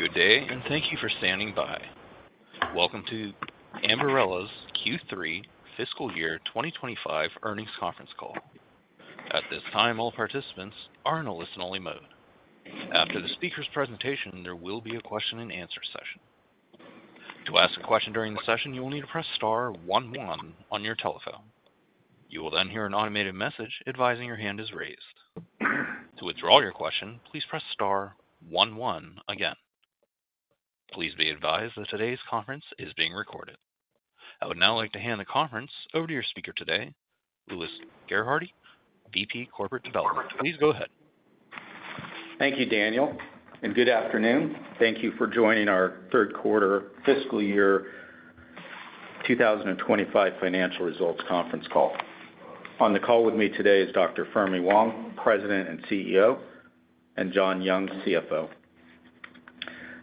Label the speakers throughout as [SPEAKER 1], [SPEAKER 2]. [SPEAKER 1] Good day, and thank you for standing by. Welcome to Ambarella's Q3, fiscal year 2025 Earnings conference call. At this time, all participants are in a listen-only mode. After the speaker's presentation, there will be a question-and-answer session. To ask a question during the session, you will need to press star one-one on your telephone. You will then hear an automated message advising your hand is raised. To withdraw your question, please press star one-one again. Please be advised that today's conference is being recorded. I would now like to hand the conference over to your speaker today, Louis Gerhardy, VP Corporate Development. Please go ahead.
[SPEAKER 2] Thank you, Daniel, and good afternoon. Thank you for joining our third quarter fiscal year 2025 financial results Conference Call. On the call with me today is Dr. Fermi Wang, President and CEO, and John Young, CFO.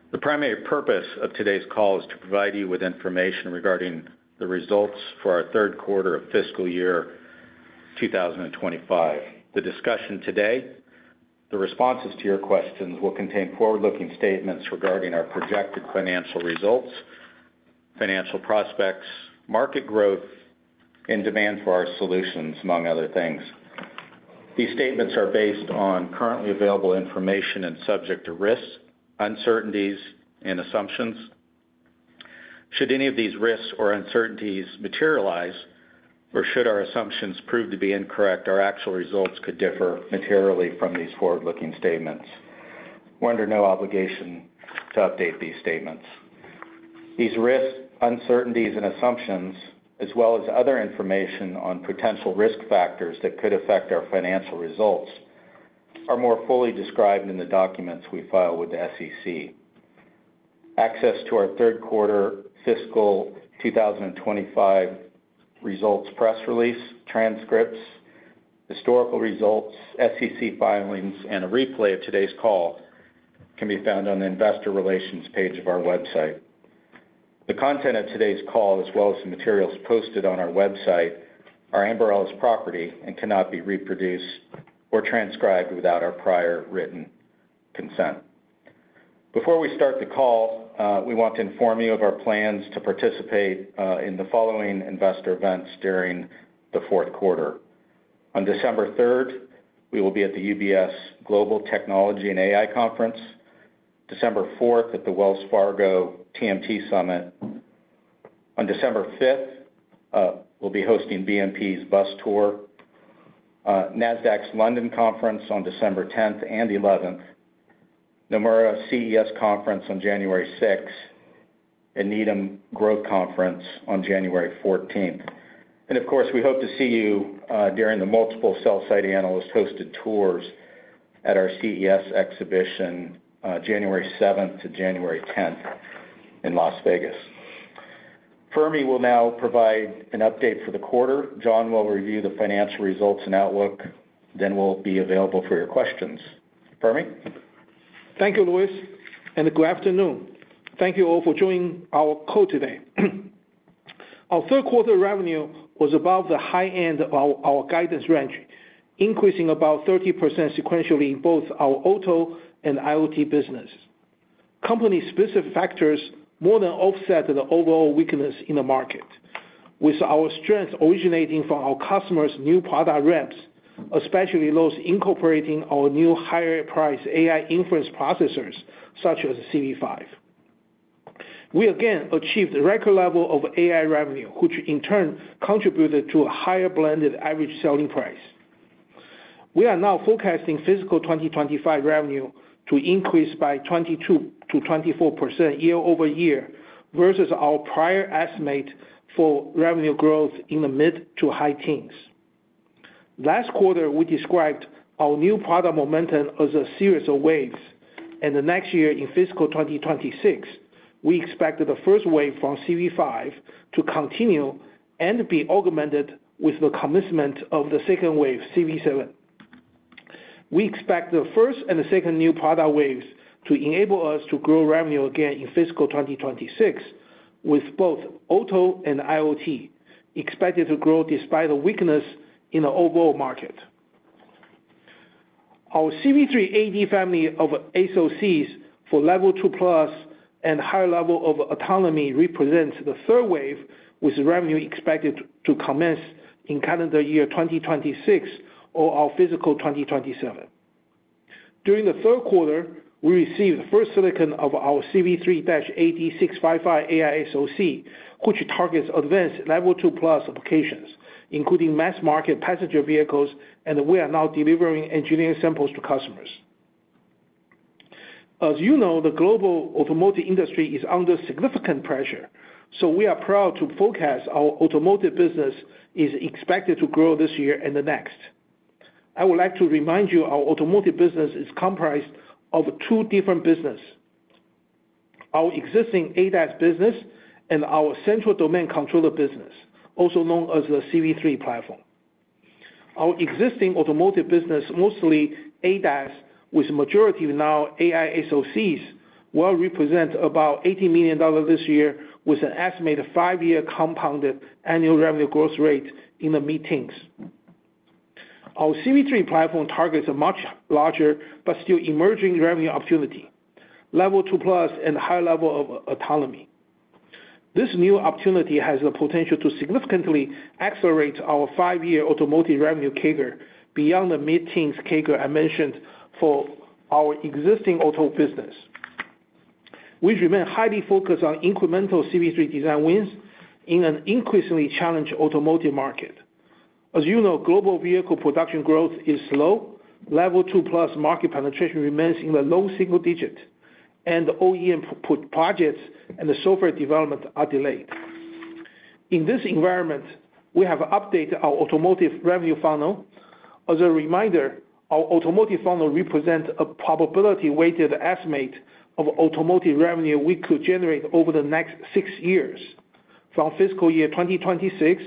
[SPEAKER 2] The primary purpose of today's call is to provide you with information regarding the results for our third quarter of fiscal year 2025. The discussion today, the responses to your questions, will contain forward-looking statements regarding our projected financial results, financial prospects, market growth, and demand for our solutions, among other things. These statements are based on currently available information and subject to risks, uncertainties, and assumptions. Should any of these risks or uncertainties materialize, or should our assumptions prove to be incorrect, our actual results could differ materially from these forward-looking statements. We're under no obligation to update these statements. These risks, uncertainties, and assumptions, as well as other information on potential risk factors that could affect our financial results, are more fully described in the documents we file with the SEC. Access to our third quarter fiscal 2025 results press release, transcripts, historical results, SEC filings, and a replay of today's call can be found on the investor relations page of our website. The content of today's call, as well as the materials posted on our website, are Ambarella's property and cannot be reproduced or transcribed without our prior written consent. Before we start the call, we want to inform you of our plans to participate in the following investor events during the fourth quarter. On December 3rd, we will be at the UBS Global Technology and AI Conference. December 4th, at the Wells Fargo TMT Summit. On December 5th, we'll be hosting BNP's bus tour. Nasdaq's London Conference on December 10th and 11th. Nomura CES Conference on January 6th. Needham Growth Conference on January 14th. And of course, we hope to see you during the multiple sell-side analyst-hosted tours at our CES exhibition, January 7th to January 10th in Las Vegas. Fermi will now provide an update for the quarter. John will review the financial results and outlook, then we'll be available for your questions. Fermi?
[SPEAKER 3] Thank you, Louis, and good afternoon. Thank you all for joining our call today. Our third quarter revenue was above the high end of our guidance range, increasing about 30% sequentially in both our auto and IoT businesses. Company-specific factors more than offset the overall weakness in the market, with our strengths originating from our customers' new product ramps, especially those incorporating our new higher-priced AI inference processors such as CV5. We again achieved a record level of AI revenue, which in turn contributed to a higher blended average selling price. We are now forecasting fiscal 2025 revenue to increase by 22%-24% year over year versus our prior estimate for revenue growth in the mid to high teens. Last quarter, we described our new product momentum as a series of waves, and the next year in fiscal 2026, we expect the first wave from CV5 to continue and be augmented with the commencement of the second wave, CV7. We expect the first and the second new product waves to enable us to grow revenue again in fiscal 2026, with both auto and IoT expected to grow despite the weakness in the overall market. Our CV3-AD family of SoCs for level two plus and higher level of autonomy represents the third wave, with revenue expected to commence in calendar year 2026 or our fiscal 2027. During the third quarter, we received the first silicon of our CV3-AD655 AI SoC, which targets advanced level two plus applications, including mass-market passenger vehicles, and we are now delivering engineering samples to customers. As you know, the global automotive industry is under significant pressure, so we are proud to forecast our automotive business is expected to grow this year and the next. I would like to remind you our automotive business is comprised of two different businesses: our existing ADAS business and our central domain controller business, also known as the CV3 platform. Our existing automotive business, mostly ADAS, with a majority of now AI SoCs, will represent about $80 million this year, with an estimated five-year compounded annual revenue growth rate in the mid-teens. Our CV3 platform targets a much larger but still emerging revenue opportunity: level two plus and high level of autonomy. This new opportunity has the potential to significantly accelerate our five-year automotive revenue CAGR beyond the mid-teens CAGR I mentioned for our existing auto business. We remain highly focused on incremental CV3 design wins in an increasingly challenged automotive market. As you know, global vehicle production growth is slow, level two plus market penetration remains in the low single digit, and the OEM projects and the software development are delayed. In this environment, we have updated our automotive revenue funnel. As a reminder, our automotive funnel represents a probability-weighted estimate of automotive revenue we could generate over the next six years, from fiscal year 2026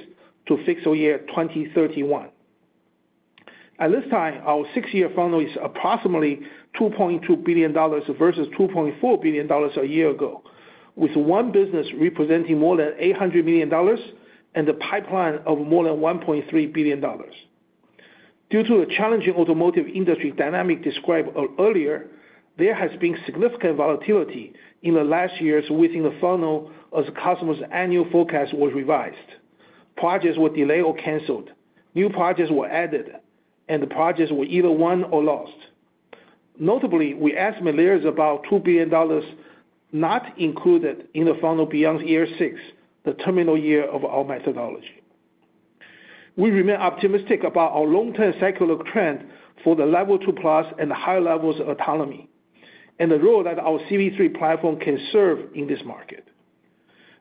[SPEAKER 3] to fiscal year 2031. At this time, our six-year funnel is approximately $2.2 billion versus $2.4 billion a year ago, with one business representing more than $800 million and a pipeline of more than $1.3 billion. Due to the challenging automotive industry dynamic described earlier, there has been significant volatility in the last years within the funnel as customers' annual forecasts were revised, projects were delayed or canceled, new projects were added, and the projects were either won or lost. Notably, we estimate there is about $2 billion not included in the funnel beyond year six, the terminal year of our methodology. We remain optimistic about our long-term cyclical trend for the level two plus and the high levels of autonomy and the role that our CV3 platform can serve in this market.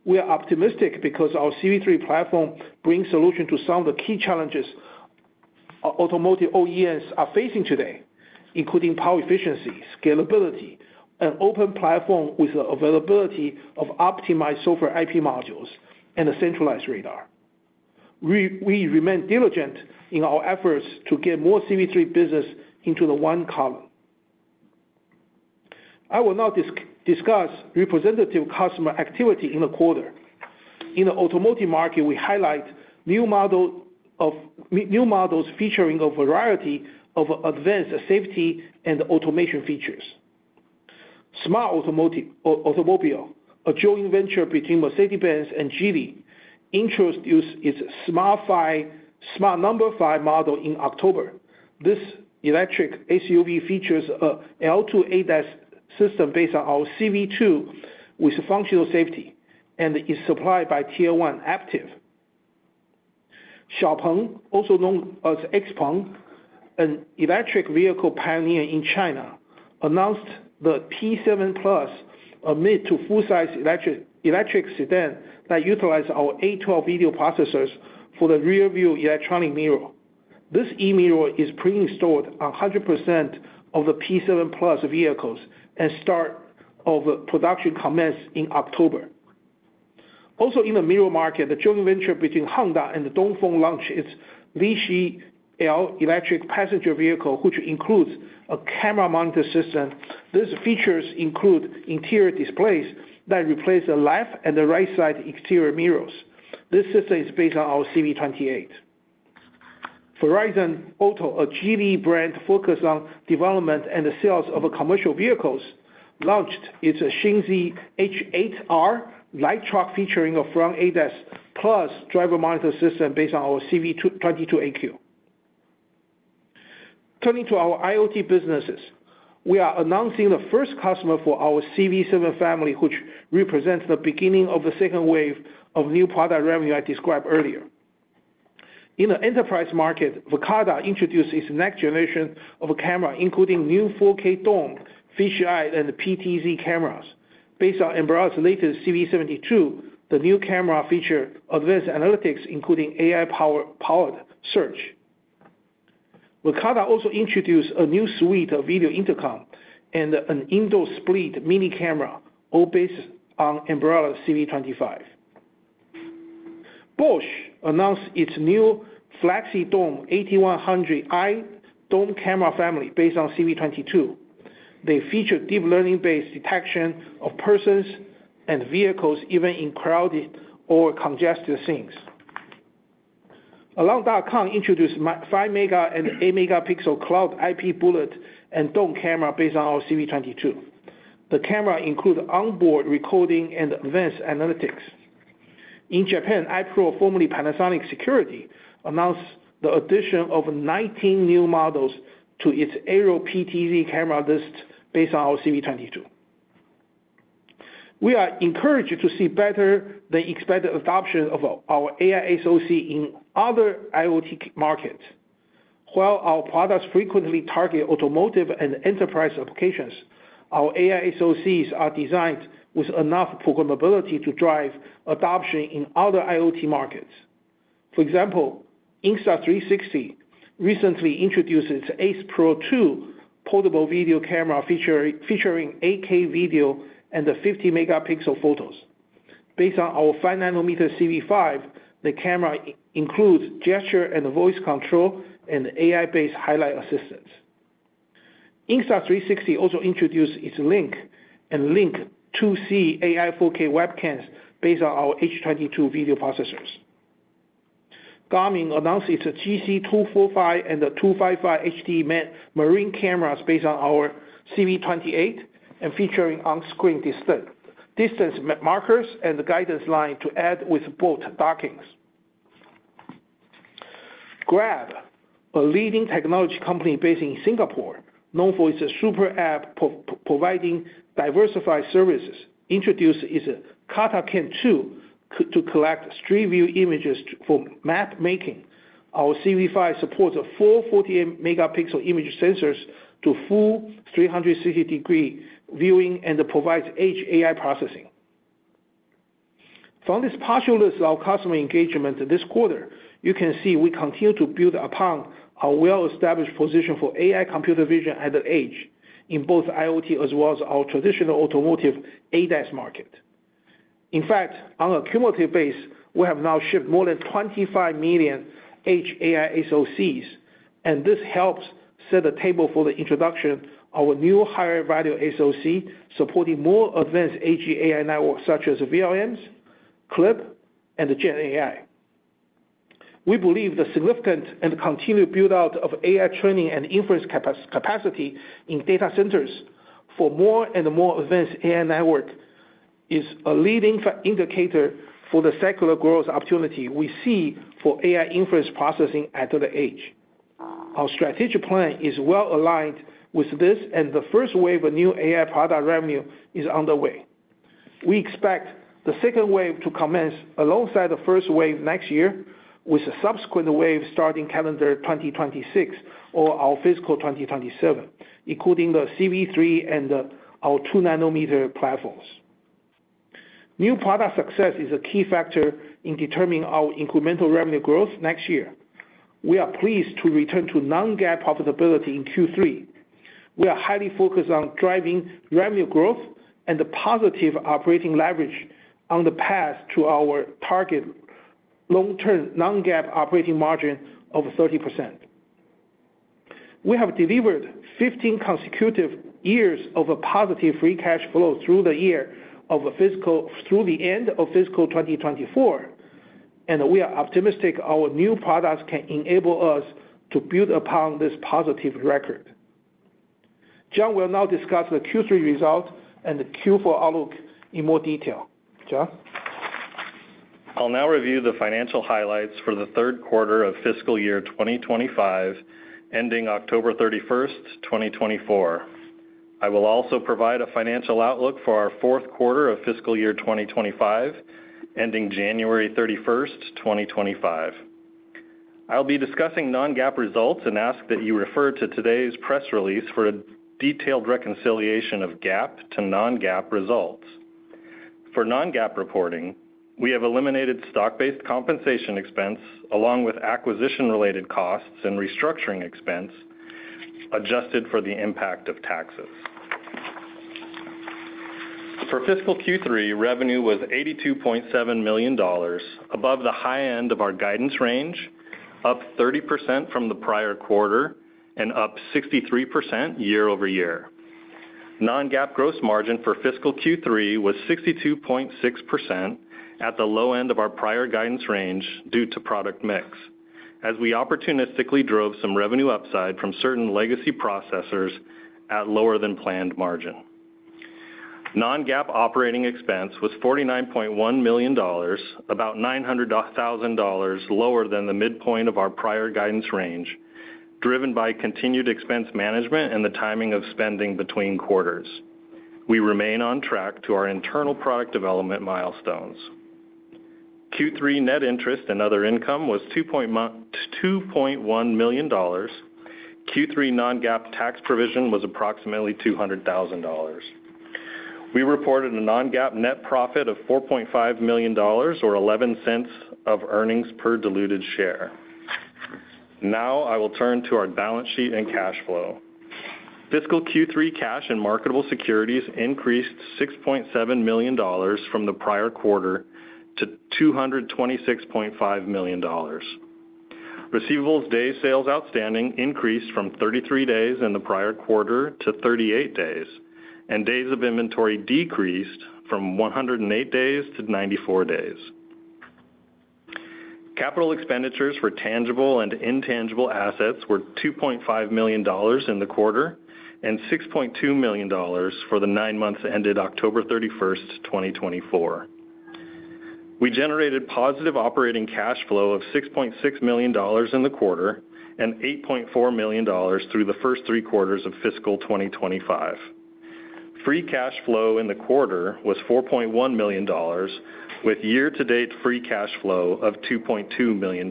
[SPEAKER 3] We are optimistic because our CV3 platform brings solutions to some of the key challenges automotive OEMs are facing today, including power efficiency, scalability, an open platform with the availability of optimized software IP modules, and a centralized radar. We remain diligent in our efforts to get more CV3 business into the one column. I will now discuss representative customer activity in the quarter. In the automotive market, we highlight new models featuring a variety of advanced safety and automation features. Smart Automobile, a joint venture between Mercedes-Benz and Geely, introduced its Smart #5 model in October. This electric SUV features an L2 ADAS system based on our CV2 with functional safety and is supplied by Tier 1 Aptiv. XPeng, also known as Xiaopeng, an electric vehicle pioneer in China, announced the P7 Plus, a mid to full-size electric sedan that utilizes our A12 video processors for the rearview electronic mirror. This e-mirror is pre-installed on 100% of the P7 Plus vehicles, and start of production commenced in October. Also, in the mirror market, the joint venture between Honda and Dongfeng launched its Lingxi L electric passenger vehicle, which includes a camera monitor system. These features include interior displays that replace the left and the right-side exterior mirrors. This system is based on our CV28. Farizon Auto, a Geely brand focused on development and the sales of commercial vehicles, launched its Xingzhi H8R light truck featuring a front ADAS plus driver monitor system based on our CV22AQ. Turning to our IoT businesses, we are announcing the first customer for our CV7 family, which represents the beginning of the second wave of new product revenue I described earlier. In the enterprise market, Verkada introduced its next generation of camera, including new 4K dome fisheye and PTZ cameras. Based on Ambarella's latest CV72, the new camera feature advanced analytics, including AI-powered search. Verkada also introduced a new suite of video intercoms and an indoor split mini camera all based on Ambarella's CV25. Bosch announced its new Flexidome 8100i dome camera family based on CV22. They feature deep learning-based detection of persons and vehicles even in crowded or congested scenes. Alarm.com introduced 5-megapixel and 8-megapixel cloud IP bullet and dome camera based on our CV22. The camera includes onboard recording and advanced analytics. In Japan, i-PRO, formerly Panasonic Security, announced the addition of 19 new models to its AeroPTZ camera list based on our CV22. We are encouraged to see better-than-expected adoption of our AI SOC in other IoT markets. While our products frequently target automotive and enterprise applications, our AI SOCs are designed with enough programmability to drive adoption in other IoT markets. For example, Insta360 recently introduced its Ace Pro 2 portable video camera featuring 8K video and 50-megapixel photos. Based on our 5-nanometer CV5, the camera includes gesture and voice control and AI-based highlight assistance. Insta360 also introduced its Link and Link 2C AI 4K webcams based on our H22 video processors. Garmin announced its GC245 and GC255 HD Marine cameras based on our CV28 and featuring on-screen distance markers and guidance line to aid with boat dockings. Grab, a leading technology company based in Singapore, known for its super app providing diversified services, introduced its KartaCam 2 to collect street view images for map making. Our CV5 supports four 48-megapixel image sensors to full 360-degree viewing and provides edge AI processing. From this partial list of our customer engagement this quarter, you can see we continue to build upon our well-established position for AI computer vision at the edge in both IoT as well as our traditional automotive ADAS market. In fact, on a cumulative base, we have now shipped more than 25 million edge AI SoCs, and this helps set the table for the introduction of a new higher-value SoC supporting more advanced edge AI networks such as VLMs, CLIP, and GenAI. We believe the significant and continued build-out of AI training and inference capacity in data centers for more and more advanced AI networks is a leading indicator for the secular growth opportunity we see for AI inference processing at the edge. Our strategic plan is well aligned with this, and the first wave of new AI product revenue is underway. We expect the second wave to commence alongside the first wave next year, with a subsequent wave starting calendar 2026 or our fiscal 2027, including the CV3 and our two-nanometer platforms. New product success is a key factor in determining our incremental revenue growth next year. We are pleased to return to non-GAAP profitability in Q3. We are highly focused on driving revenue growth and the positive operating leverage on the path to our target long-term non-GAAP operating margin of 30%. We have delivered 15 consecutive years of a positive free cash flow through the year of the end of fiscal 2024, and we are optimistic our new products can enable us to build upon this positive record. John will now discuss the Q3 result and the Q4 outlook in more detail. John?
[SPEAKER 4] I'll now review the financial highlights for the third quarter of fiscal year 2025, ending October 31st, 2024. I will also provide a financial outlook for our fourth quarter of fiscal year 2025, ending January 31st, 2025. I'll be discussing non-GAAP results and ask that you refer to today's press release for a detailed reconciliation of GAAP to non-GAAP results. For non-GAAP reporting, we have eliminated stock-based compensation expense along with acquisition-related costs and restructuring expense, adjusted for the impact of taxes. For fiscal Q3, revenue was $82.7 million, above the high end of our guidance range, up 30% from the prior quarter, and up 63% year-over-year. Non-GAAP gross margin for fiscal Q3 was 62.6% at the low end of our prior guidance range due to product mix, as we opportunistically drove some revenue upside from certain legacy processors at lower-than-planned margin. Non-GAAP operating expense was $49.1 million, about $900,000 lower than the midpoint of our prior guidance range, driven by continued expense management and the timing of spending between quarters. We remain on track to our internal product development milestones. Q3 net interest and other income was $2.1 million. Q3 Non-GAAP tax provision was approximately $200,000. We reported a Non-GAAP net profit of $4.5 million, or $0.11 earnings per diluted share. Now I will turn to our balance sheet and cash flow. Fiscal Q3 cash and marketable securities increased $6.7 million from the prior quarter to $226.5 million. Receivables day sales outstanding increased from 33 days in the prior quarter to 38 days, and days of inventory decreased from 108 days to 94 days. Capital expenditures for tangible and intangible assets were $2.5 million in the quarter and $6.2 million for the nine months ended October 31st, 2024. We generated positive operating cash flow of $6.6 million in the quarter and $8.4 million through the first three quarters of fiscal 2025. Free cash flow in the quarter was $4.1 million, with year-to-date free cash flow of $2.2 million.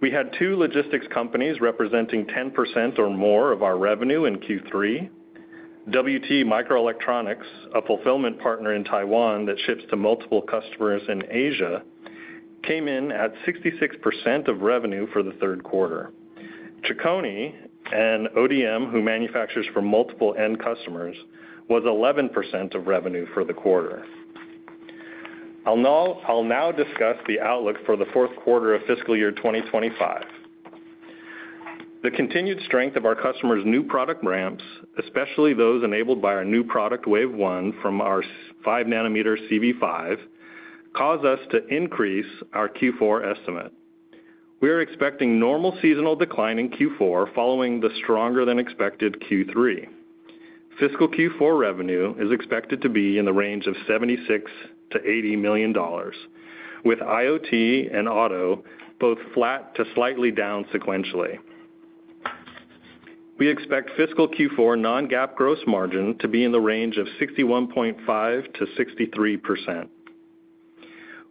[SPEAKER 4] We had two logistics companies representing 10% or more of our revenue in Q3. WT Microelectronics, a fulfillment partner in Taiwan that ships to multiple customers in Asia, came in at 66% of revenue for the third quarter. Chicony, an ODM who manufactures for multiple end customers, was 11% of revenue for the quarter. I'll now discuss the outlook for the fourth quarter of fiscal year 2025. The continued strength of our customers' new product ramps, especially those enabled by our new product wave one from our 5-nanometer CV5, caused us to increase our Q4 estimate. We are expecting normal seasonal decline in Q4 following the stronger-than-expected Q3. Fiscal Q4 revenue is expected to be in the range of $76-$80 million, with IoT and auto both flat to slightly down sequentially. We expect fiscal Q4 non-GAAP gross margin to be in the range of 61.5%-63%.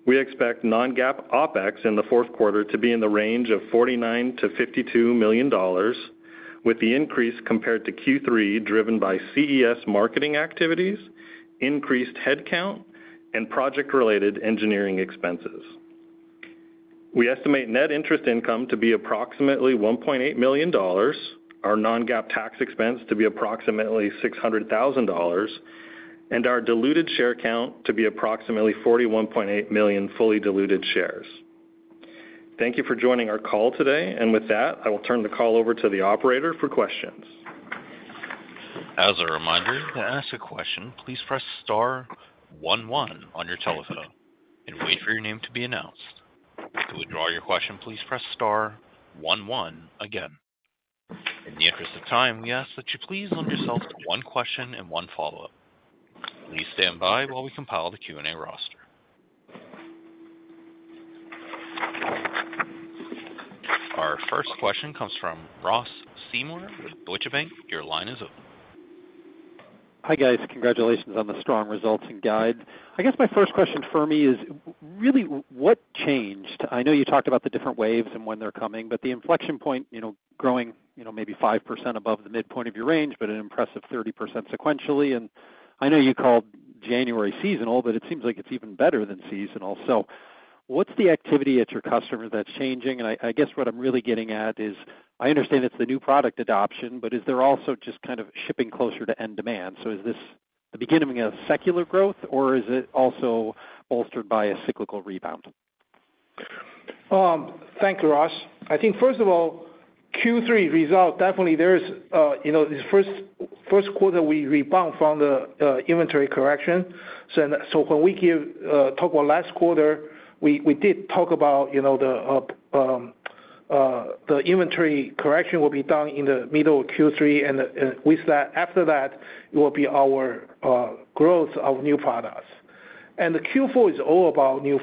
[SPEAKER 4] We expect non-GAAP OpEx in the fourth quarter to be in the range of $49-$52 million, with the increase compared to Q3 driven by CES marketing activities, increased headcount, and project-related engineering expenses. We estimate net interest income to be approximately $1.8 million, our non-GAAP tax expense to be approximately $600,000, and our diluted share count to be approximately 41.8 million fully diluted shares. Thank you for joining our call today. And with that, I will turn the call over to the operator for questions.
[SPEAKER 1] As a reminder, to ask a question, please press star one-one on your telephone and wait for your name to be announced. To withdraw your question, please press star one-one again. In the interest of time, we ask that you please lend yourself to one question and one follow-up. Please stand by while we compile the Q&A roster. Our first question comes from Ross Seymour with Deutsche Bank. Your line is open.
[SPEAKER 5] Hi guys. Congratulations on the strong results and guide. I guess my first question for me is really what changed? I know you talked about the different waves and when they're coming, but the inflection point, growing maybe 5% above the midpoint of your range, but an impressive 30% sequentially. I know you called January seasonal, but it seems like it's even better than seasonal. So what's the activity at your customers that's changing? I guess what I'm really getting at is I understand it's the new product adoption, but is there also just kind of shipping closer to end demand? So is this the beginning of secular growth, or is it also bolstered by a cyclical rebound?
[SPEAKER 3] Thank you, Ross. I think, first of all, Q3 result, definitely there's the first quarter we rebound from the inventory correction. So when we talk about last quarter, we did talk about the inventory correction will be done in the middle of Q3. And after that, it will be our growth of new products. And Q4 is all about new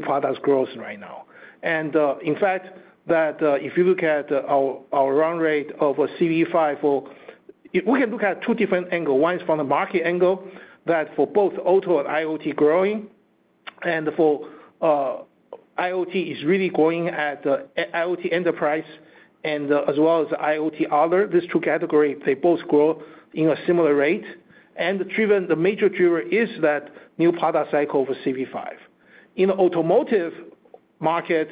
[SPEAKER 3] products growth right now. And in fact, if you look at our run rate of CV5, we can look at two different angles. One is from the market angle that for both auto and IoT growing, and for IoT is really going at the IoT enterprise and as well as IoT other. These two categories, they both grow in a similar rate, and the major driver is that new product cycle for CV5. In the automotive market,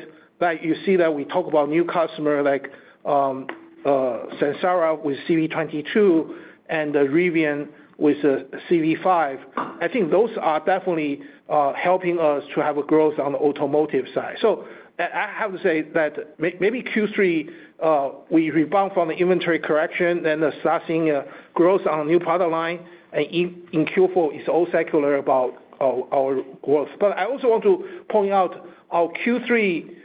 [SPEAKER 3] you see that we talk about new customers like Samsara with CV22 and Rivian with CV5. I think those are definitely helping us to have a growth on the automotive side, so I have to say that maybe Q3 we rebound from the inventory correction and start seeing a growth on a new product line, and in Q4, it's all secular about our growth, but I also want to point out our Q3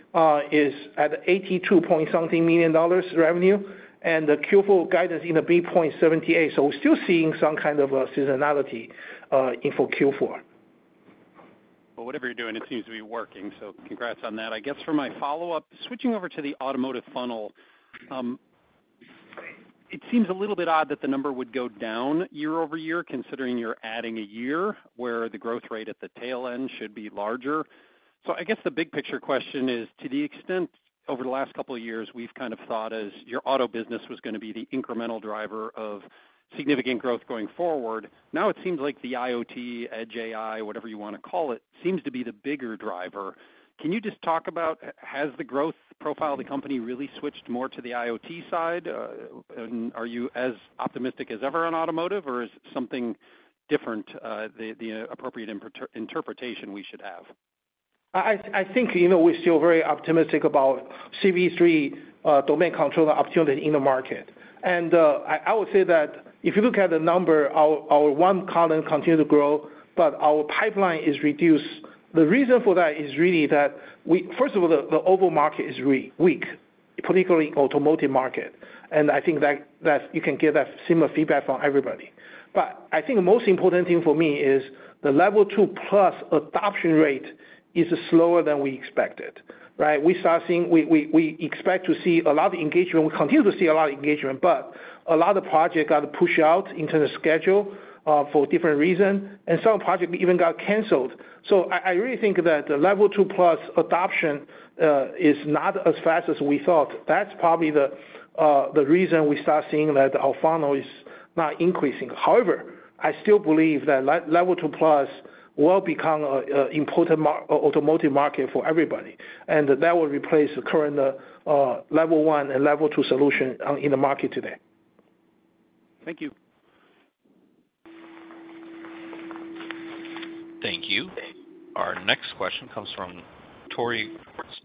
[SPEAKER 3] is at $82-something million revenue, and the Q4 guidance in the midpoint $78 million. We're still seeing some kind of seasonality in Q4. Well, whatever you're doing, it seems to be working. So congrats on that. I guess for my follow-up, switching over to the automotive funnel, it seems a little bit odd that the number would go down year over year considering you're adding a year where the growth rate at the tail end should be larger. I guess the big picture question is, to the extent over the last couple of years we've kind of thought as your auto business was going to be the incremental driver of significant growth going forward, now it seems like the IoT, edge AI, whatever you want to call it, seems to be the bigger driver. Can you just talk about, has the growth profile of the company really switched more to the IoT side? Are you as optimistic as ever on automotive, or is something different the appropriate interpretation we should have?
[SPEAKER 2] I think we're still very optimistic about CV3 domain controller opportunity in the market. And I would say that if you look at the number, our one column continues to grow, but our pipeline is reduced. The reason for that is really that, first of all, the overall market is really weak, particularly the automotive market. And I think you can get that similar feedback from everybody. But I think the most important thing for me is the level two plus adoption rate is slower than we expected, right? We expect to see a lot of engagement. We continue to see a lot of engagement, but a lot of projects got pushed out into the schedule for different reasons, and some projects even got canceled.
[SPEAKER 3] So I really think that the level two plus adoption is not as fast as we thought. That's probably the reason we start seeing that our funnel is not increasing. However, I still believe that level two plus will become an important automotive market for everybody, and that will replace the current level one and level two solution in the market today. Thank you. Thank you. Our next question comes from Tore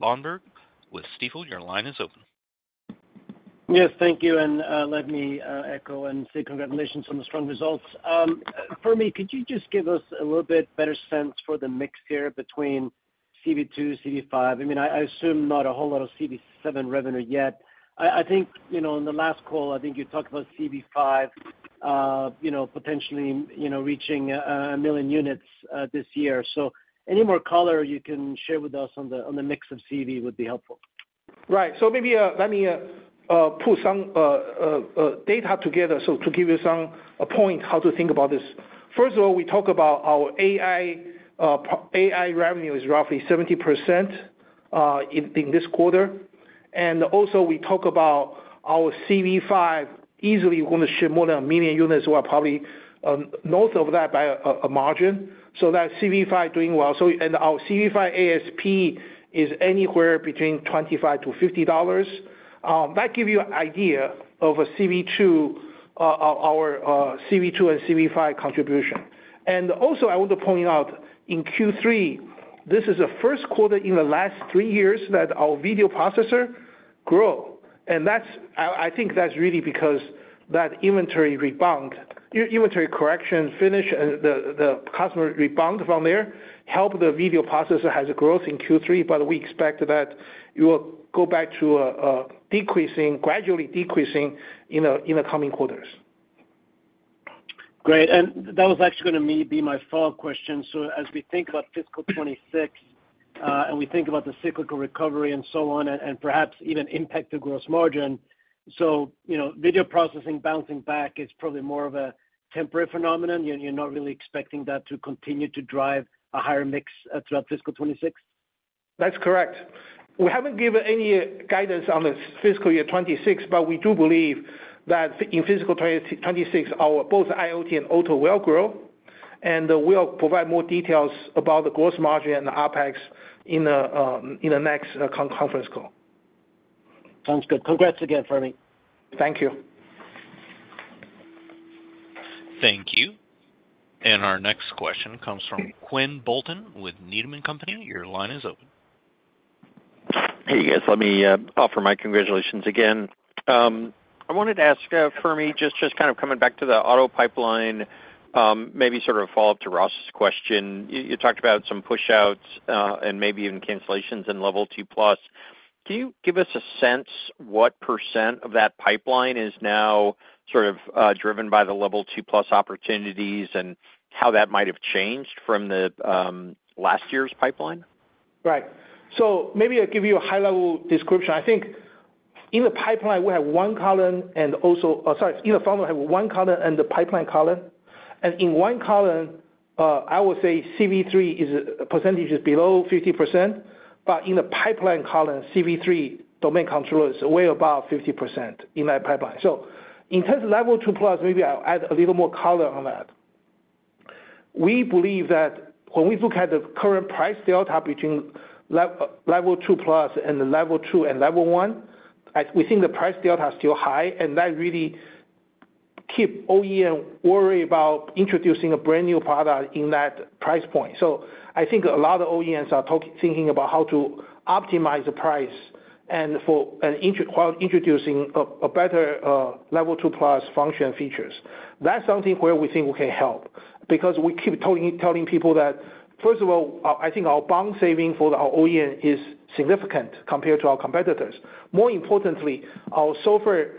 [SPEAKER 3] Svanberg with Stifel. Your line is open. Yes, thank you. And let me echo and say congratulations on the strong results. For me, could you just give us a little bit better sense for the mix here between CV2, CV5? I mean, I assume not a whole lot of CV7 revenue yet. I think in the last call, I think you talked about CV5 potentially reaching a million units this year. Any more color you can share with us on the mix of CV would be helpful. Right. Maybe let me put some data together to give you some points on how to think about this. First of all, we talk about our AI revenue is roughly 70% in this quarter. And also, we talk about our CV5 easily going to ship more than a million units, so we're probably north of that by a margin. That CV5 is doing well. And our CV5 ASP is anywhere between $25-$50. That gives you an idea of our CV2 and CV5 contribution. And also, I want to point out in Q3, this is the first quarter in the last three years that our video processor grew. I think that's really because that inventory rebound, inventory correction finished, and the customer rebound from there helped the video processor has a growth in Q3, but we expect that it will go back to a gradually decreasing in the coming quarters. Great. And that was actually going to be my follow-up question. So as we think about fiscal 2026 and we think about the cyclical recovery and so on, and perhaps even impact the gross margin, so video processing bouncing back is probably more of a temporary phenomenon. You're not really expecting that to continue to drive a higher mix throughout fiscal 2026? That's correct. We haven't given any guidance on this fiscal year 2026, but we do believe that in fiscal 2026, both IoT and auto will grow, and we'll provide more details about the gross margin and the OpEx in the next conference call.
[SPEAKER 5] Sounds good. Congrats again, Fermi.
[SPEAKER 3] Thank you. Thank you. And our next question comes from Quinn Bolton with Needham & Company. Your line is open.
[SPEAKER 6] Hey, guys. Let me offer my congratulations again. I wanted to ask Fermi, just kind of coming back to the auto pipeline, maybe sort of a follow-up to Ross's question. You talked about some push-outs and maybe even cancellations in level two plus. Can you give us a sense what % of that pipeline is now sort of driven by the level two plus opportunities and how that might have changed from last year's pipeline?
[SPEAKER 3] Right. So maybe I'll give you a high-level description. I think in the pipeline, we have one column and also sorry, in the funnel, we have one column and the pipeline column. and in one column, I will say CV3's percentage is below 50%, but in the pipeline column, CV3 domain controller is way above 50% in that pipeline. So in terms of level two plus, maybe I'll add a little more color on that. We believe that when we look at the current price delta between level two plus and level two and level one, we think the price delta is still high, and that really keeps OEMs worried about introducing a brand new product in that price point. So I think a lot of OEMs are thinking about how to optimize the price while introducing a better level two plus function features. That's something where we think we can help because we keep telling people that, first of all, I think our BOM saving for our OEM is significant compared to our competitors. More importantly, our software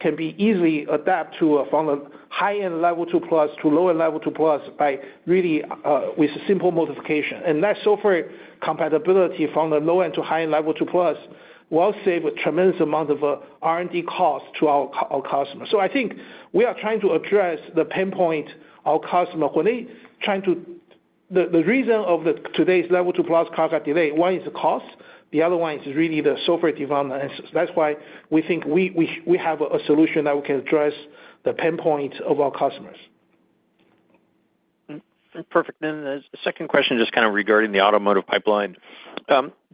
[SPEAKER 3] can be easily adapted from a high-end level two plus to lower-level two plus with simple modification. And that software compatibility from the low-end to high-end level two plus will save a tremendous amount of R&D costs to our customers. So I think we are trying to address the pain point of our customers when they're trying to the reason of today's level two plus costs are delayed. One is the cost. The other one is really the software development. And that's why we think we have a solution that we can address the pain points of our customers. Perfect. Then the second question just kind of regarding the automotive pipeline.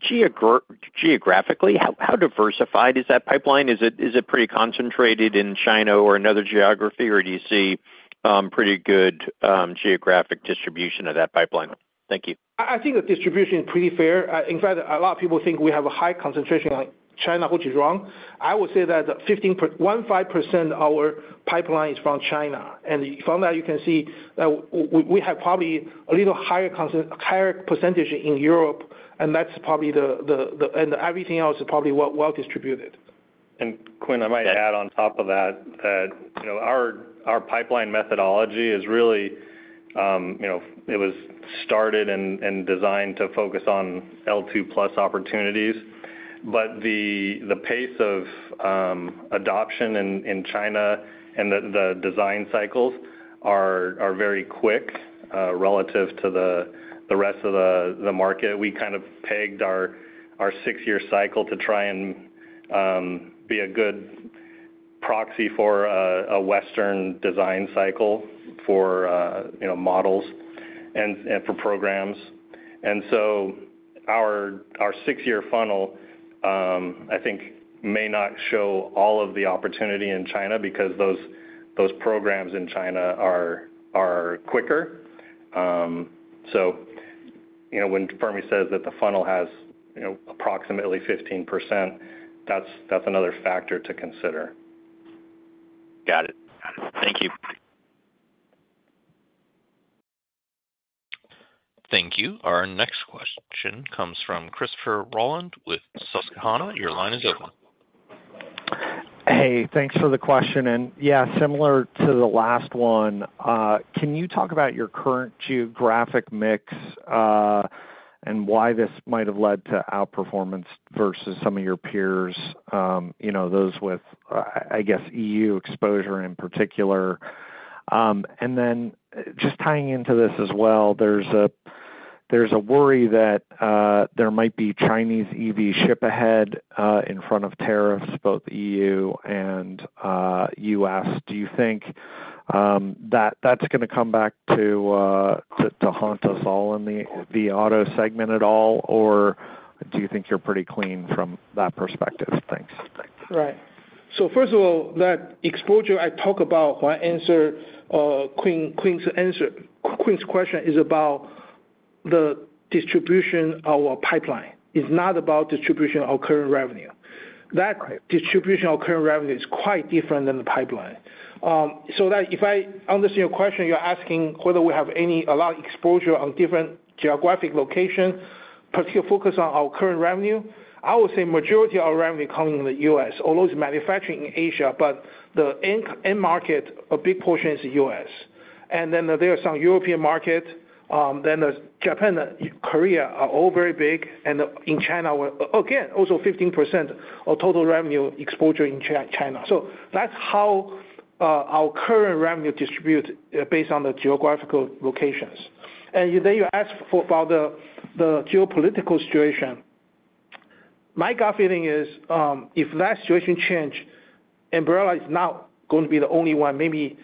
[SPEAKER 3] Geographically, how diversified is that pipeline? Is it pretty concentrated in China or another geography, or do you see pretty good geographic distribution of that pipeline? Thank you. I think the distribution is pretty fair. In fact, a lot of people think we have a high concentration on China, which is wrong. I would say that 15%, 15% of our pipeline is from China. And from that, you can see that we have probably a little higher percentage in Europe, and that's probably and everything else is probably well distributed.
[SPEAKER 4] And Quinn, I might add on top of that that our pipeline methodology is really it was started and designed to focus on L2+ opportunities, but the pace of adoption in China and the design cycles are very quick relative to the rest of the market. We kind of pegged our six-year cycle to try and be a good proxy for a Western design cycle for models and for programs. And so our six-year funnel, I think, may not show all of the opportunity in China because those programs in China are quicker. So when Fermi says that the funnel has approximately 15%, that's another factor to consider.
[SPEAKER 6] Got it. Thank you.
[SPEAKER 1] Thank you. Our next question comes from Christopher Rolland with Susquehanna. Your line is open.
[SPEAKER 7] Hey, thanks for the question. And yeah, similar to the last one, can you talk about your current geographic mix and why this might have led to outperformance versus some of your peers, those with, I guess, EU exposure in particular? And then just tying into this as well, there's a worry that there might be Chinese EV shipments ahead in front of tariffs, both EU and US. Do you think that that's going to come back to haunt us all in the auto segment at all, or do you think you're pretty clean from that perspective? Thanks.
[SPEAKER 3] Right. So first of all, that exposure I talked about, my answer, Quinn's question is about the distribution of our pipeline. It's not about distribution of current revenue. That distribution of current revenue is quite different than the pipeline. So if I understand your question, you're asking whether we have a lot of exposure on different geographic locations, particularly focus on our current revenue. I would say majority of our revenue coming from the U.S., although it's manufacturing in Asia, but the end market, a big portion is the U.S. And then there are some European markets. Then Japan, Korea are all very big. And in China, again, also 15% of total revenue exposure in China. So that's how our current revenue is distributed based on the geographical locations. And then you asked about the geopolitical situation. My gut feeling is if that situation changes, Ambarella is not going to be the only one. Maybe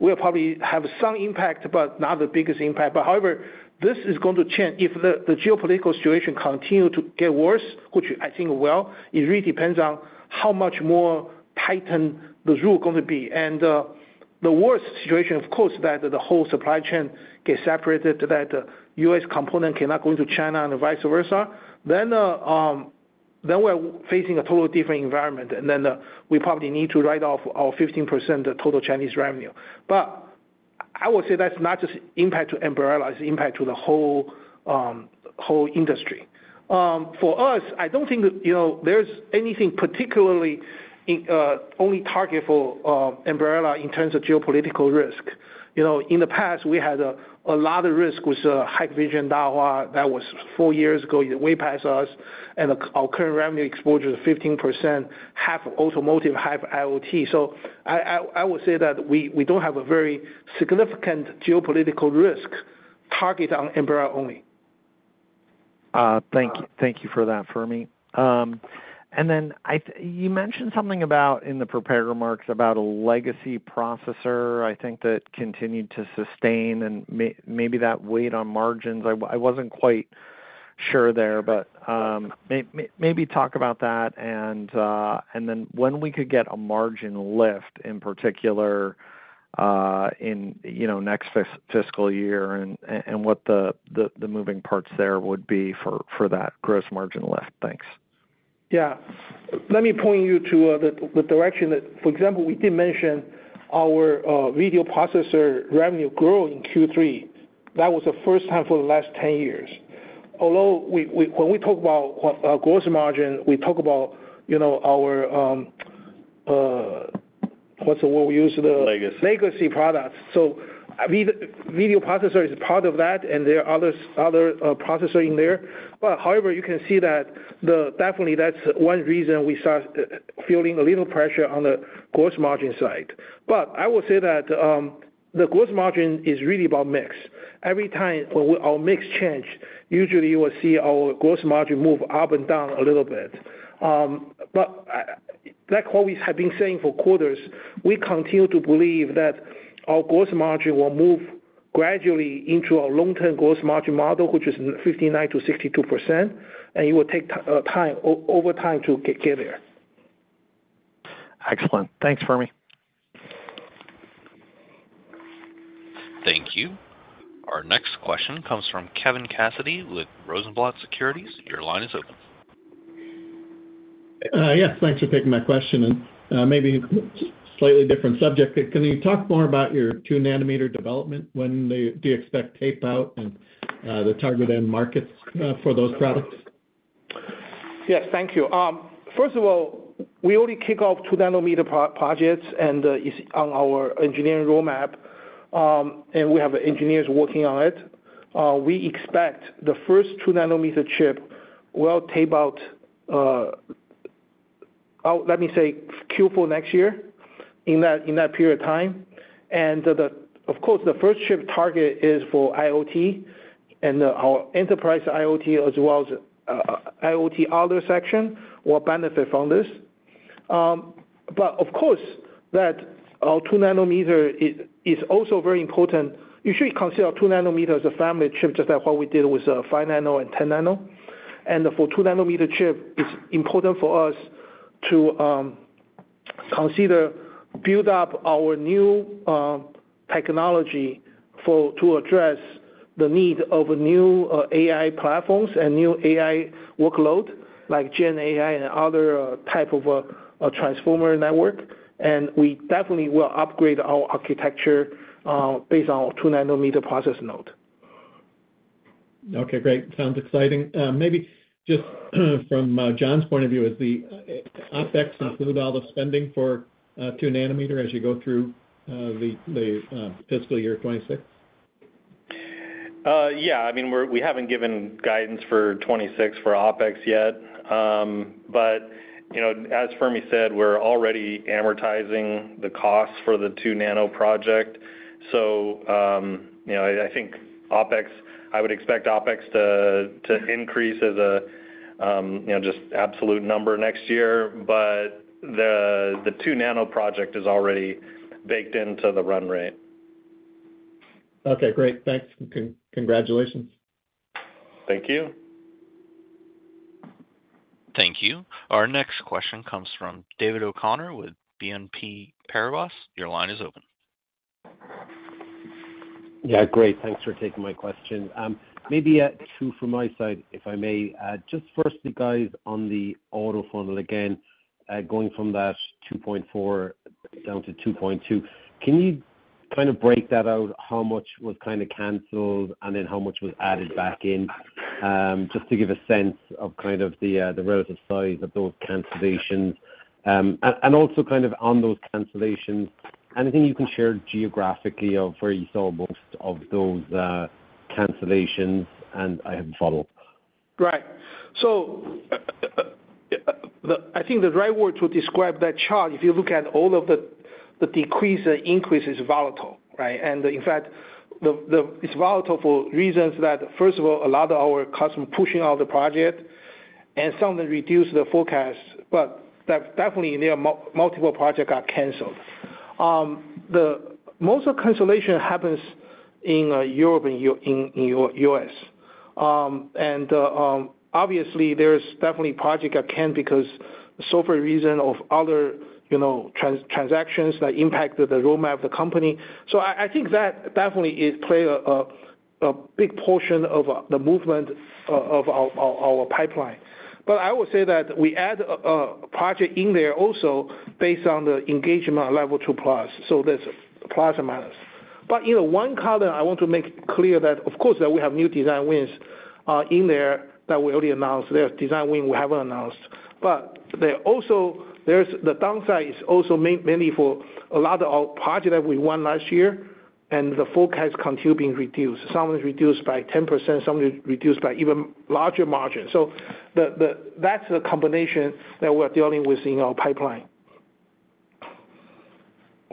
[SPEAKER 3] we'll probably have some impact, but not the biggest impact. But however, this is going to change if the geopolitical situation continues to get worse, which I think it will. It really depends on how much more tighten the rule is going to be. And the worst situation, of course, is that the whole supply chain gets separated, that the U.S. component cannot go into China and vice versa. Then we're facing a totally different environment, and then we probably need to write off our 15% total Chinese revenue. But I would say that's not just impact to Ambarella. It's impact to the whole industry. For us, I don't think there's anything particularly only target for Ambarella in terms of geopolitical risk. In the past, we had a lot of risk with Hikvision and Dahua that was four years ago, way past us. And our current revenue exposure is 15%, half automotive, half IoT. So I would say that we don't have a very significant geopolitical risk target on Ambarella only.
[SPEAKER 7] Thank you for that, Fermi. And then you mentioned something in the prepared remarks about a legacy processor, I think, that continued to sustain, and maybe that weight on margins. I wasn't quite sure there, but maybe talk about that. And then when we could get a margin lift in particular in next fiscal year and what the moving parts there would be for that gross margin lift. Thanks.
[SPEAKER 3] Yeah. Let me point you to the direction that, for example, we did mention our video processor revenue growing in Q3. That was the first time for the last 10 years. Although when we talk about gross margin, we talk about our—what's the word we use?—legacy products. So video processor is part of that, and there are other processors in there. But however, you can see that definitely that's one reason we start feeling a little pressure on the gross margin side. But I will say that the gross margin is really about mix. Every time when our mix changes, usually you will see our gross margin move up and down a little bit. But like what we have been saying for quarters, we continue to believe that our gross margin will move gradually into our long-term gross margin model, which is 59%-62%, and it will take over time to get there.
[SPEAKER 7] Excellent. Thanks, Fermi.
[SPEAKER 1] `Thank you. Our next question comes from Kevin Cassidy with Rosenblatt Securities. Your line is open.
[SPEAKER 8] Yes. Thanks for taking my question. And maybe a slightly different subject. Can you talk more about your two-nanometer development? When do you expect tape-out and the target end markets for those products?
[SPEAKER 3] Yes. Thank you. First of all, we already kicked off two-nanometer projects on our engineering roadmap, and we have engineers working on it. We expect the first two-nanometer chip will tape out, let me say, Q4 next year in that period of time. And of course, the first chip target is for IoT and our enterprise IoT, as well as IoT other sections will benefit from this. But of course, that our two-nanometer is also very important. You should consider two-nanometer as a family chip, just like what we did with 5 nano and 10 nano. For two-nanometer chip, it's important for us to consider building up our new technology to address the need of new AI platforms and new AI workloads like GenAI and other types of transformer networks. We definitely will upgrade our architecture based on our two-nanometer process node.
[SPEAKER 8] Okay. Great. Sounds exciting. Maybe just from John's point of view, is the OpEx include all the spending for two-nanometer as you go through the fiscal year 2026?
[SPEAKER 4] Yeah. I mean, we haven't given guidance for 2026 for OpEx yet. As Fermi said, we're already amortizing the costs for the two-nano project. I think I would expect OpEx to increase as a just absolute number next year. The two-nano project is already baked into the run rate.
[SPEAKER 8] Okay. Great. Thanks. Congratulations.
[SPEAKER 1] Thank you. Thank you. Our next question comes from David O'Connor with BNP Paribas. Your line is open.
[SPEAKER 9] Yeah. Great. Thanks for taking my question. Maybe two from my side, if I may. Just first, you guys on the auto funnel again, going from that 2.4 down to 2.2, can you kind of break that out? How much was kind of canceled and then how much was added back in? Just to give a sense of kind of the relative size of those cancellations. And also kind of on those cancellations, anything you can share geographically of where you saw most of those cancellations? And I have a follow-up.
[SPEAKER 3] Right. So I think the right word to describe that chart, if you look at all of the decrease and increase, it's volatile, right? And in fact, it's volatile for reasons that, first of all, a lot of our customers are pushing out the project, and some of them reduced the forecast. But definitely, there are multiple projects that got canceled. Most of the cancellation happens in Europe and in the US. And obviously, there's definitely projects that can't because of software reasons or other transactions that impacted the roadmap of the company. So I think that definitely plays a big portion of the movement of our pipeline. But I will say that we add a project in there also based on the engagement level two plus. So there's plus and minus. But in one column, I want to make clear that, of course, we have new design wins in there that we already announced. There are design wins we haven't announced. But there's the downside is also mainly for a lot of our projects that we won last year, and the forecast continues being reduced. Some of them are reduced by 10%. Some of them are reduced by even larger margins. So that's the combination that we're dealing with in our pipeline.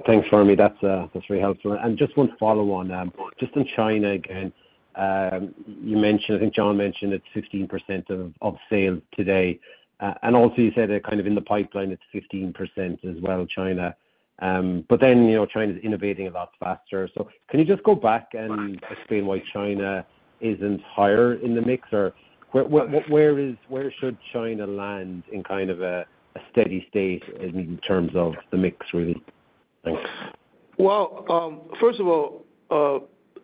[SPEAKER 9] Thanks, Fermi. That's very helpful. And just one follow-on. Just in China again, you mentioned, I think John mentioned it's 15% of sales today. And also you said kind of in the pipeline, it's 15% as well, China. But then China is innovating a lot faster. So can you just go back and explain why China isn't higher in the mix? Or where should China land in kind of a steady state in terms of the mix, really? Thanks.
[SPEAKER 3] Well, first of all,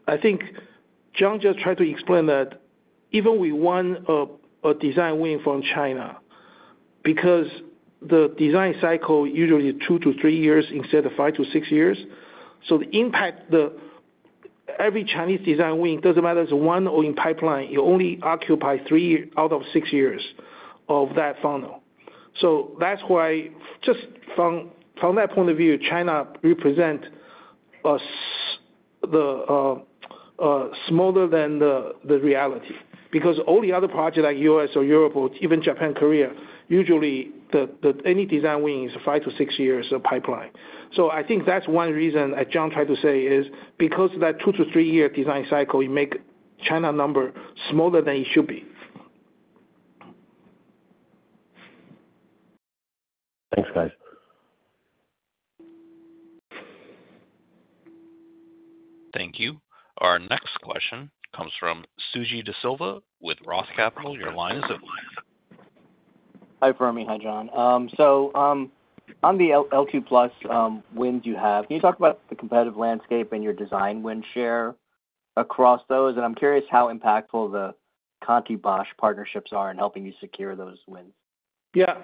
[SPEAKER 3] I think John just tried to explain that even we won a design win from China because the design cycle usually is two to three years instead of five to six years. So the impact, every Chinese design win, doesn't matter if it's one or in pipeline, you only occupy three out of six years of that funnel. So that's why just from that point of view, China represents smaller than the reality. Because all the other projects like U.S. or Europe or even Japan, Korea, usually any design win is five to six years of pipeline. So I think that's one reason that John tried to say is because of that two to three-year design cycle, you make China a number smaller than it should be.
[SPEAKER 9] Thanks, guys.
[SPEAKER 1] Thank you. Our next question comes from Suji Desilva with Roth Capital. Your line is open.
[SPEAKER 10] Hi, Fermi. Hi, John. So on the L2 Plus wins you have, can you talk about the competitive landscape and your design win share across those? I'm curious how impactful the Conti-Bosch partnerships are in helping you secure those wins. Yeah.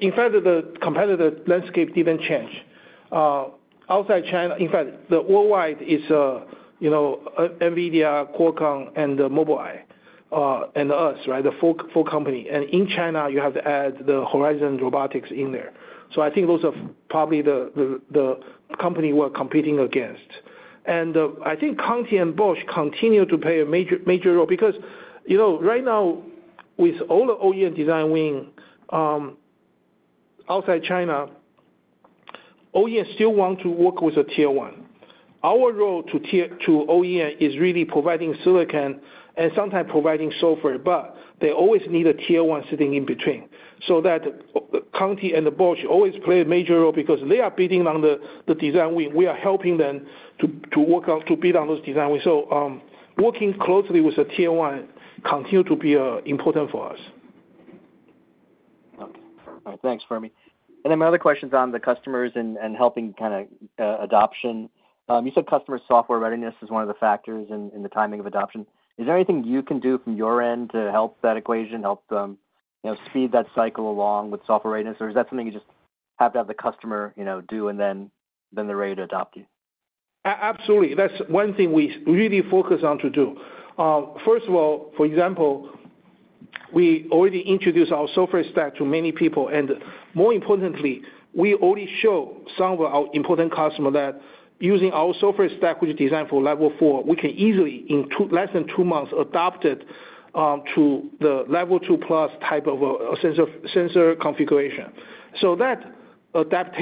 [SPEAKER 10] In fact, the competitive landscape didn't change. Outside China, in fact, the worldwide is Nvidia, Qualcomm, and Mobileye, and us, right? The four companies. In China, you have to add the Horizon Robotics in there. I think those are probably the companies we're competing against. I think Conti and Bosch continue to play a major role because right now, with all the OEM design wins, outside China, OEMs still want to work with a tier one. Our role to OEM is really providing silicon and sometimes providing software. But they always need a tier one sitting in between. That Conti and the Bosch always play a major role because they are building on the design win. We are helping them to build on those design wins.
[SPEAKER 3] Working closely with a Tier 1 continues to be important for us. Okay. All right. Thanks, Fermi. And then my other question is on the customers and helping kind of adoption. You said customer software readiness is one of the factors in the timing of adoption. Is there anything you can do from your end to help that equation, help speed that cycle along with software readiness? Or is that something you just have to have the customer do and then they're ready to adopt you? Absolutely. That's one thing we really focus on to do. First of all, for example, we already introduced our software stack to many people. More importantly, we already showed some of our important customers that using our software stack, which is designed for level four, we can easily, in less than two months, adapt it to the level two plus type of a sensor configuration. That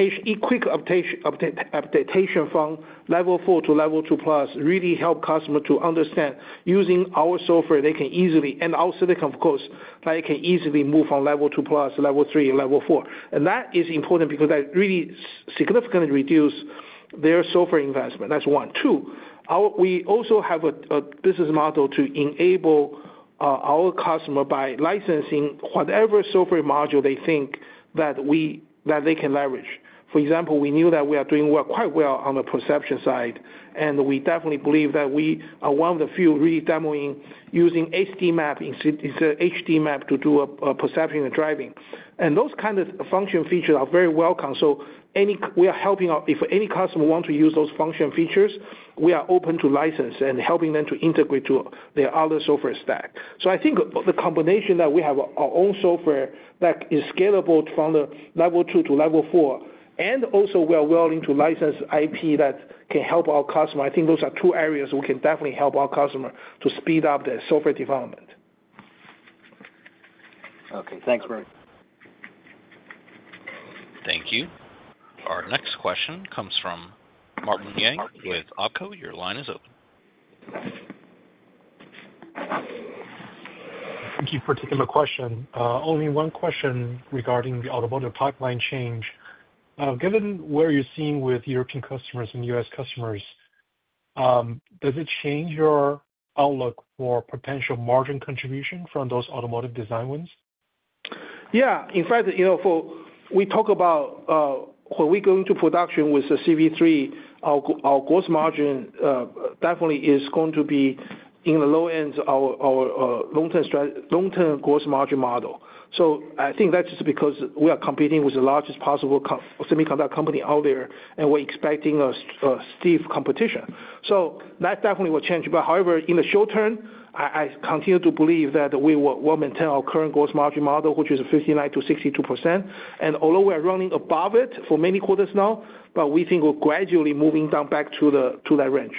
[SPEAKER 3] quick updation from level four to level two plus really helps customers to understand using our software, they can easily, and our silicon, of course, but it can easily move from level two plus, level three, and level four. That is important because that really significantly reduces their software investment. That's one. Two, we also have a business model to enable our customers by licensing whatever software module they think that they can leverage. For example, we knew that we are doing quite well on the perception side. We definitely believe that we are one of the few really demoing using HD Map to do perception and driving. Those kinds of function features are very welcome. We are helping if any customer wants to use those function features. We are open to license and helping them to integrate to their other software stack. I think the combination that we have our own software that is scalable from the level two to level four, and also we are willing to license IP that can help our customers. I think those are two areas we can definitely help our customers to speed up their software development. Okay. Thanks, Fermi. Thank you. Our next question comes from Martin Yang with Oppenheimer & Co. Your line is open. Thank you for taking my question. Only one question regarding the automotive pipeline change. Given where you're seeing with European customers and US customers, does it change your outlook for potential margin contribution from those automotive design wins? Yeah. In fact, we talk about when we go into production with the CV3, our gross margin definitely is going to be in the low end of our long-term gross margin model. So I think that's just because we are competing with the largest possible semiconductor company out there, and we're expecting a steep competition. So that definitely will change. But however, in the short term, I continue to believe that we will maintain our current gross margin model, which is 59%-62%. And although we are running above it for many quarters now, but we think we're gradually moving back to that range.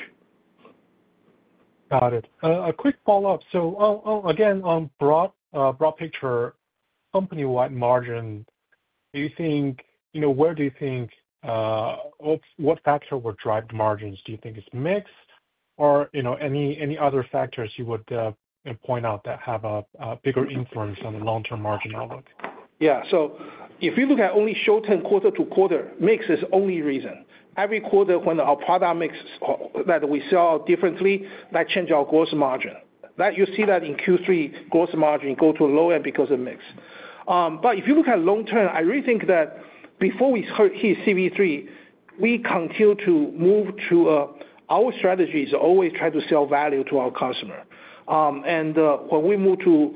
[SPEAKER 3] Got it. A quick follow-up. So again, broad picture, company-wide margin, where do you think what factor would drive the margins? Do you think it's mix or any other factors you would point out that have a bigger influence on the long-term margin outlook? Yeah. So if you look at only short-term quarter-to-quarter, mix is the only reason. Every quarter, when our product mix that we sell differently, that changes our gross margin. You see that in Q3, gross margin goes to the low end because of mix. But if you look at long-term, I really think that before we hit CV3, we continue to move to our strategy is always try to sell value to our customer. And when we move to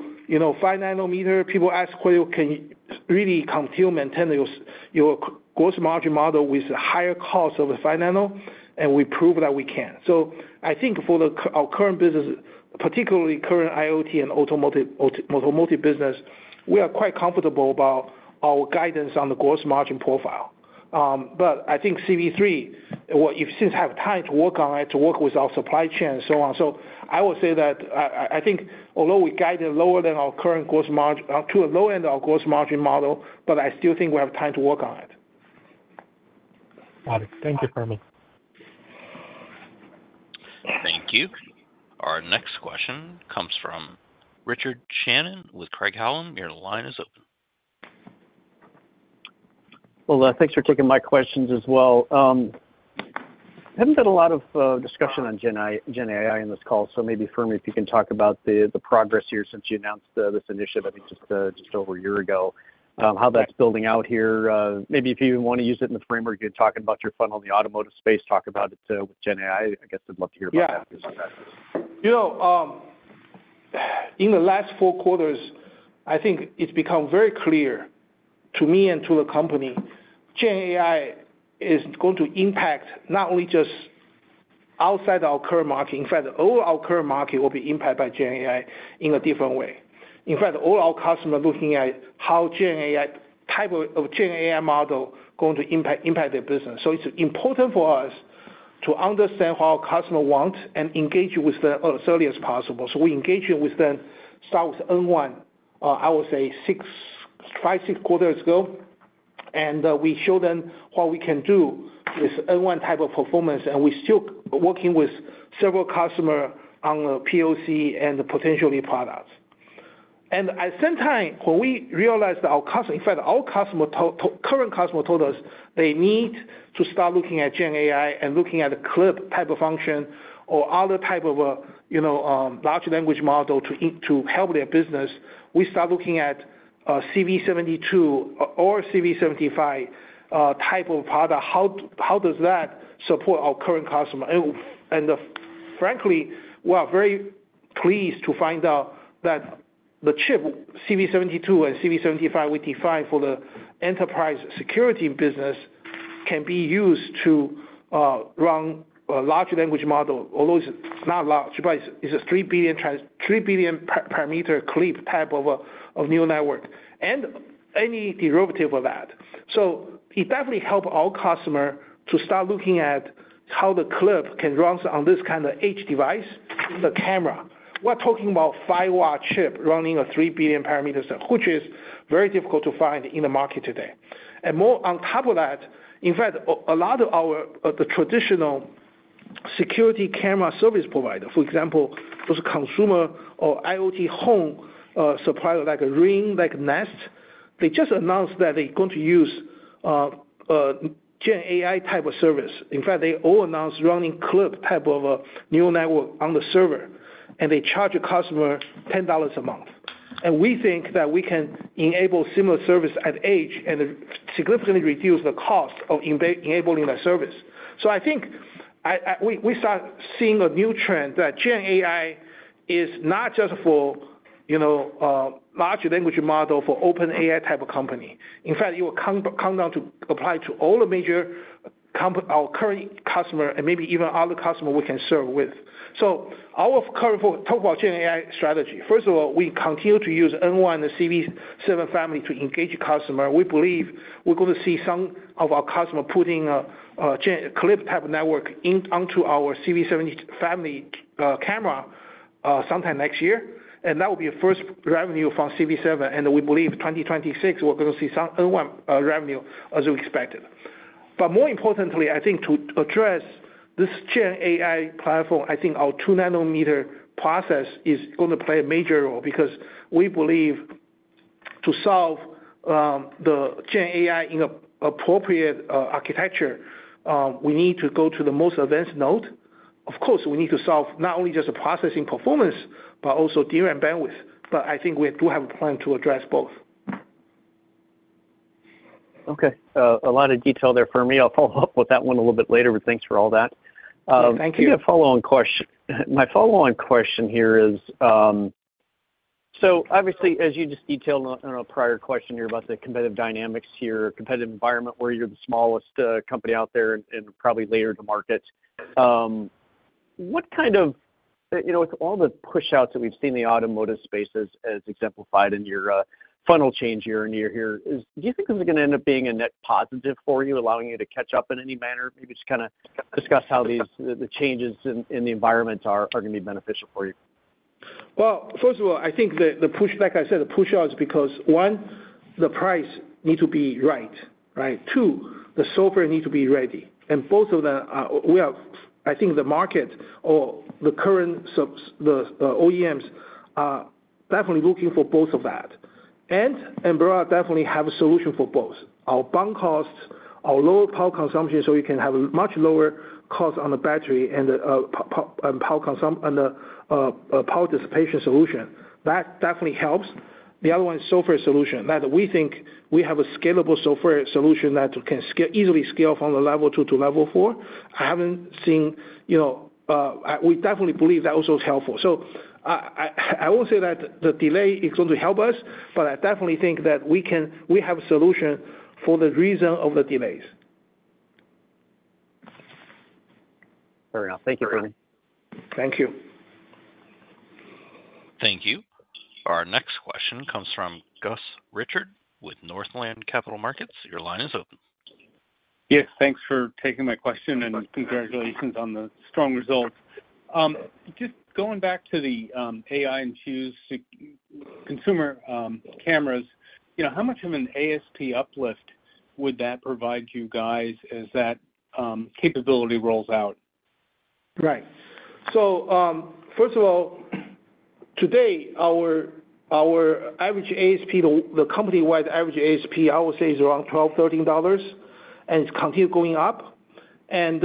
[SPEAKER 3] five-nanometer, people ask, "Can you really continue to maintain your gross margin model with a higher cost of five-nano?" And we prove that we can. So I think for our current business, particularly current IoT and automotive business, we are quite comfortable about our guidance on the gross margin profile. But I think CV3, we still have time to work on it, to work with our supply chain and so on. So I will say that I think although we guided lower than our current gross margin to a low end of our gross margin model, but I still think we have time to work on it. Got it. Thank you, Fermi. Thank you. Our next question comes from Richard Shannon with Craig-Hallum. Your line is open. Hello. Thanks for taking my questions as well. We haven't had a lot of discussion on GenAI in this call. So maybe, Fermi, if you can talk about the progress here since you announced this initiative, I think just over a year ago, how that's building out here. Maybe if you want to use it in the framework you're talking about your funnel in the automotive space, talk about it with GenAI. I guess I'd love to hear about that. Yeah. In the last four quarters, I think it's become very clear to me and to the company. GenAI is going to impact not only just outside our current market. In fact, all our current market will be impacted by GenAI in a different way. In fact, all our customers are looking at how GenAI type of GenAI model is going to impact their business. So it's important for us to understand how our customers want and engage with them as early as possible. So we engaged with them, start with N1, I would say, five to six quarters ago. And we showed them what we can do with N1 type of performance. And we're still working with several customers on the POC and potentially products. And at the same time, when we realized that our customers, in fact, our current customers told us they need to start looking at GenAI and looking at the CLIP type of function or other type of a large language model to help their business, we start looking at CV72 or CV75 type of product. How does that support our current customers? And frankly, we are very pleased to find out that the chip, CV72 and CV75, we defined for the enterprise security business can be used to run a large language model. Although it's not large, but it's a 3 billion parameter CLIP type of a neural network and any derivative of that. So it definitely helped our customers to start looking at how the CLIP can run on this kind of edge device, the camera. We're talking about a 5-watt chip running a 3 billion parameters, which is very difficult to find in the market today. And more on top of that, in fact, a lot of the traditional security camera service providers, for example, those consumer or IoT home suppliers like Ring, like Nest, they just announced that they're going to use GenAI type of service. In fact, they all announced running CLIP type of a neural network on the server. And they charge a customer $10 a month. And we think that we can enable similar services at edge and significantly reduce the cost of enabling that service. So, I think we start seeing a new trend that GenAI is not just for large language model for OpenAI type of company. In fact, it will come down to apply to all the major current customers and maybe even other customers we can serve with. So, talk about GenAI strategy. First of all, we continue to use N1 and the CV7 family to engage customers. We believe we're going to see some of our customers putting a CLIP type of network onto our CV7 family camera sometime next year. And that will be a first revenue from CV7. And we believe 2026, we're going to see some N1 revenue as we expected. But more importantly, I think to address this GenAI platform, I think our two-nanometer process is going to play a major role because we believe to solve the GenAI in an appropriate architecture, we need to go to the most advanced node. Of course, we need to solve not only just the processing performance, but also DRAM bandwidth. But I think we do have a plan to address both. Okay. A lot of detail there, Fermi. I'll follow up with that one a little bit later. But thanks for all that. Thank you. My follow-on question here is, so obviously, as you just detailed in a prior question here about the competitive dynamics here, competitive environment where you're the smallest company out there and probably later to market, what kind of with all the push-outs that we've seen in the automotive space as exemplified in your funnel change year and year here, do you think this is going to end up being a net positive for you, allowing you to catch up in any manner? Maybe just kind of discuss how the changes in the environment are going to be beneficial for you. Well, first of all, I think the push, like I said, the push-outs because, one, the price needs to be right, right? Two, the software needs to be ready. And both of them, I think the market or the current OEMs are definitely looking for both of that. And Ambarella definitely has a solution for both. Our BOM costs, our lower power consumption, so you can have a much lower cost on the battery and power dissipation solution. That definitely helps. The other one is software solution. We think we have a scalable software solution that can easily scale from level two to level four. I haven't seen we definitely believe that also is helpful. So I won't say that the delay is going to help us, but I definitely think that we have a solution for the reason of the delays. Fair enough. Thank you, Fermi. Thank you. Thank you. Our next question comes from Gus Richard with Northland Capital Markets. Your line is open. Yes. Thanks for taking my question and congratulations on the strong results. Just going back to the AI in consumer cameras, how much of an ASP uplift would that provide you guys as that capability rolls out? Right. So first of all, today, our average ASP, the company-wide average ASP, I would say is around $12-$13, and it's continued going up, and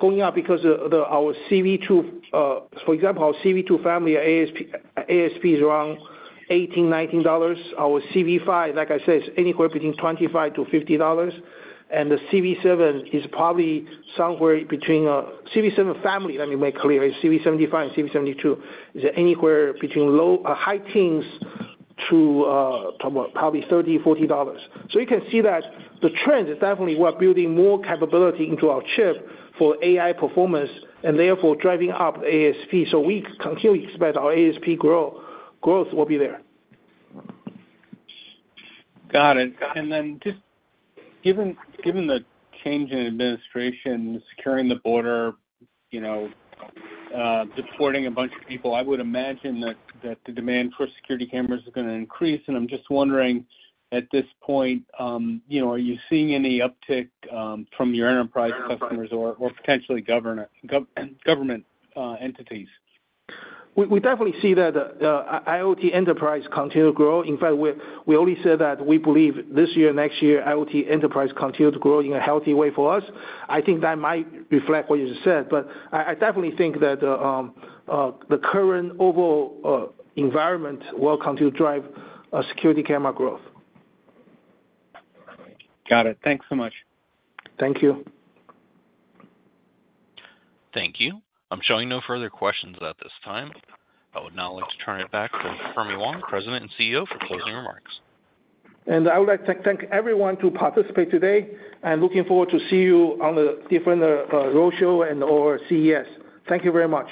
[SPEAKER 3] going up because our CV2, for example, our CV2 family ASP is around $18-$19. Our CV5, like I said, is anywhere between $25-$50, and the CV7 is probably somewhere between CV7 family, let me make clear, CV75 and CV72, is anywhere between high teens to probably $30-$40, so you can see that the trend is definitely we're building more capability into our chip for AI performance and therefore driving up the ASP, so we continue to expect our ASP growth will be there. Got it. And then just given the change in administration, securing the border, deporting a bunch of people, I would imagine that the demand for security cameras is going to increase. And I'm just wondering, at this point, are you seeing any uptick from your enterprise customers or potentially government entities? We definitely see that IoT enterprise continues to grow. In fact, we always say that we believe this year and next year, IoT enterprise continues to grow in a healthy way for us. I think that might reflect what you just said. But I definitely think that the current overall environment will continue to drive security camera growth. Got it. Thanks so much. Thank you. Thank you. I'm showing no further questions at this time. I would now like to turn it back to Fermi Wang, President and CEO, for closing remarks. I would like to thank everyone who participated today. Looking forward to seeing you on the different roadshow and/or CES. Thank you very much.